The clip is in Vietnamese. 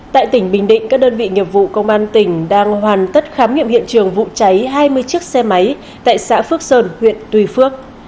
tại tỉnh bình định các đơn vị nghiệp vụ công an tỉnh đang hoàn tất khám nghiệm hiện trường vụ cháy hai mươi chiếc xe máy tại xã phước sơn huyện tuy phước